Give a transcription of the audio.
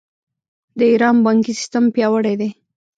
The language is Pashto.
د ایران بانکي سیستم پیاوړی دی.